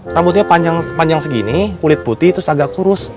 rambutnya panjang segini kulit putih terus agak kurus